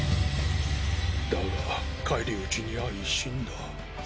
だが返り討ちに遭い死んだ。